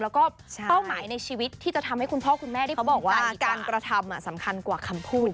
แล้วก็เป้าหมายในชีวิตที่จะทำให้คุณพ่อคุณแม่ที่เขาบอกว่าการกระทำสำคัญกว่าคำพูด